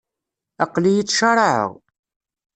Aql-iyi ttcaraɛeɣ.